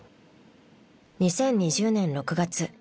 ［２０２０年６月］